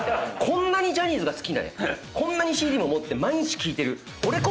こんなにジャニーズが好きでこんなにＣＤも持って毎日聴いてる。